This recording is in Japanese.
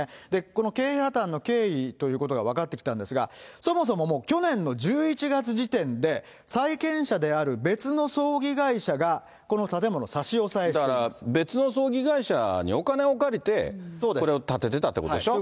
この経営破綻の経緯ということが分かってきたんですが、そもそも去年の１１月時点で債権者である別の葬儀会社が、この建だから別の葬儀会社にお金を借りて、これを建ててたっていうことでしょ。